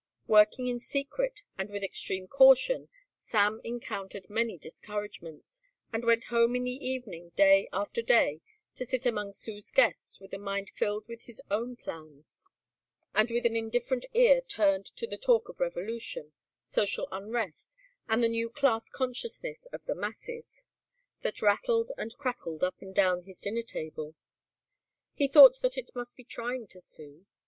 Working in secret and with extreme caution Sam encountered many discouragements and went home in the evening day after day to sit among Sue's guests with a mind filled with his own plans and with an indifferent ear turned to the talk of revolution, social unrest, and the new class consciousness of the masses, that rattled and crackled up and down his dinner table. He thought that it must be trying to Sue.